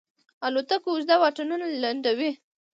الوتکه اوږده واټنونه لنډوي.